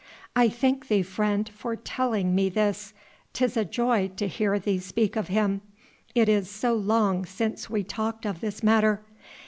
"I thank thee, friend, for telling me this. 'Tis a joy to hear thee speak of Him. It is so long since we talked of this matter.